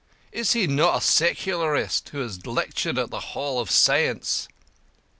Is he not a secularist, who has lectured at the Hall of Science?